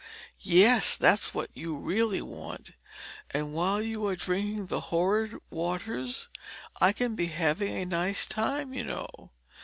Yes, that's what you really want and while you are drinking the horrid waters I can be having a nice time, you know.